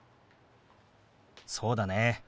そうだね。